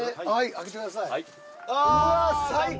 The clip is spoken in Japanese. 開けてください。